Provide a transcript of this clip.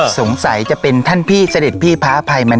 จะเป็นท่านพี่เสด็จพี่พระอภัยมณ